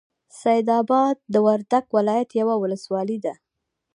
سیدآباد د وردک ولایت یوه ولسوالۍ ده.